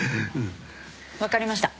分かりました。